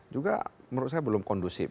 juga menurut saya belum kondusif